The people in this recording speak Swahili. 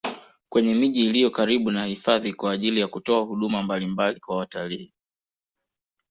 Kwenye miji iliyo karibu na hifadhi kwa ajili ya kutoa huduma mbalimbali kwa watalii